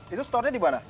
itu store nya di mana